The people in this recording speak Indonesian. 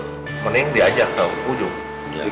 jadi mending diajak tau ujung